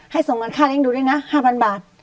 ส่งเงินค่าเลี้ยงดูด้วยนะ๕๐๐บาท